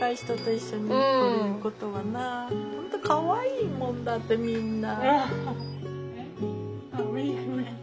本当かわいいもんだってみんな。